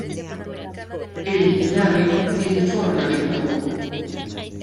El labio tiene forma de globo.